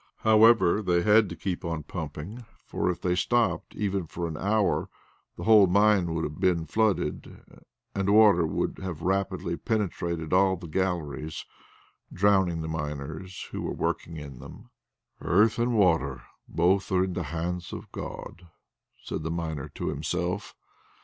However, they had to keep on pumping, for if they stopped, even for an hour, the whole mine would have been flooded and the water would have rapidly penetrated all the galleries, drowning the miners who were working in them. "Earth and water both are in the hands of God," said the miner to himself.